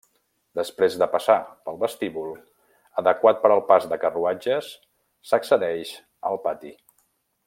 Després de passar pel vestíbul, adequat per al pas de carruatges, s'accedeix al pati.